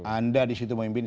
anda disitu memimpin